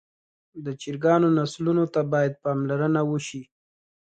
د چرګانو نسلونو ته باید پاملرنه وشي.